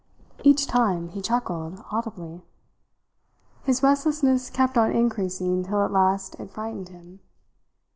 Each time he chuckled audibly. His restlessness kept on increasing till at last it frightened him.